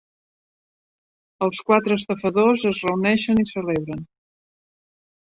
Els quatre estafadors es reuneixen i celebren.